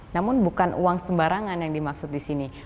namun bukan uang sembarangan yang dimaksud di sini